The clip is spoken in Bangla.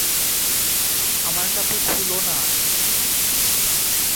আমার কাপড় খুলো না।